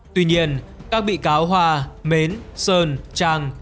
tuy nhiên các bị cáo hòa mến sơn trang